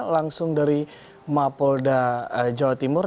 langsung dari mapolda jawa timur